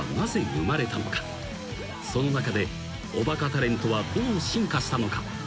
［その中でおバカタレントはどう進化したのか？］